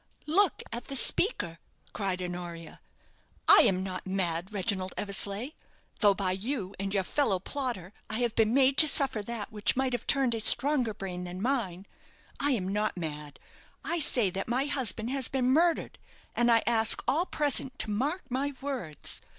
"Look at the speaker," cried Honoria. "I am not mad, Reginald Eversleigh, though, by you and your fellow plotter, I have been made to suffer that which might have turned a stronger brain than mine. I am not mad. I say that my husband has been murdered; and I ask all present to mark my words.